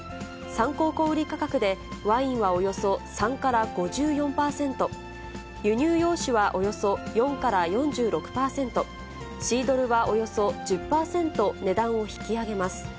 参考小売価格でワインはおよそ３から５４％、輸入洋酒はおよそ４から４６％、シードルはおよそ１０％値段を引き上げます。